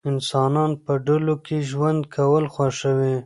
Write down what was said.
انسانان په ډلو کې ژوند کول خوښوي.